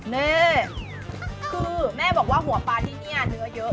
นี่คือแม่บอกว่าหัวปลาที่นี่เนื้อเยอะ